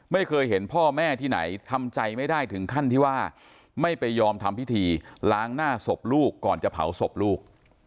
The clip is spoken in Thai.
ไม่เคยเห็นพ่อแม่ที่ไหนทำใจไม่ได้ถึงขั้นที่ว่าไม่ไปยอมทำพิธีล้างหน้าศพลูกก่อนจะเผาศพลูก